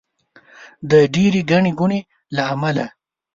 د ډېرې ګڼې ګوڼې له امله.